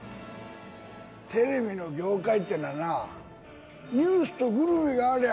テレビの業界っていうのはな、ニュースとグルメがありゃ、